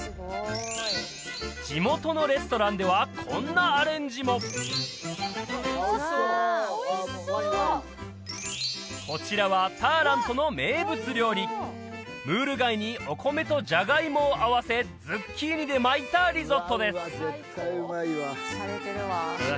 地元のレストランではこんなアレンジもこちらはターラントの名物料理ムール貝にお米とジャガイモを合わせズッキーニで巻いたリゾットです